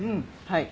はい。